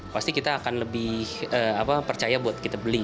pasti kita akan lebih percaya buat kita beli